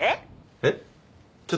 えっ！？